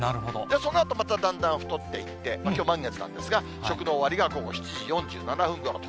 そのあとまただんだん太っていって、きょう満月なんですが、食の終わりが午後７時４７分ごろと。